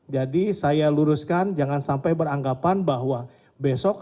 jadi saya luruskan jangan sampai beranggapan bahwa besok